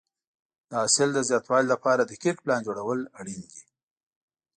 د حاصل د زیاتوالي لپاره دقیق پلان جوړول اړین دي.